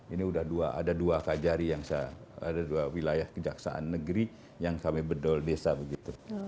ini sudah ada dua kajari yang saya ada dua wilayah kejaksaan negeri yang kami bedol desa begitu